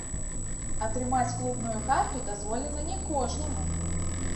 Атрымаць клубную карту дазволена не кожнаму.